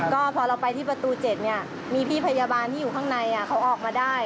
ก็พอเราไปที่ประตู๗มีพี่พยาบาลที่อยู่ข้างในเขาออกมาได้